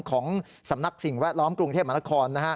ของสำนักสิ่งแวดล้อมกรุงเทพมหานคร